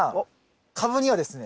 カブにはですね